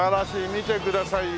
見てくださいよ。